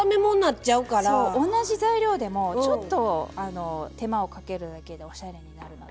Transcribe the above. そう同じ材料でもちょっと手間をかけるだけでおしゃれになるので。